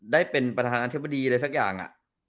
ได้เป็นประธานาธิบดีอะไรสักอย่าง